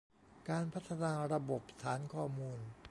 การพัฒนาระบบฐานข้อมูล